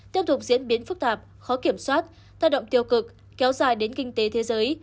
tiếp tục diễn biến phức tạp khó kiểm soát tác động tiêu cực kéo dài đến kinh tế thế giới